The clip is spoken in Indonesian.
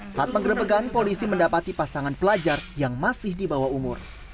saat penggerebekan polisi mendapati pasangan pelajar yang masih di bawah umur